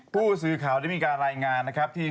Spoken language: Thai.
ผู้ซื้อข่าวได้มีการรายงานที่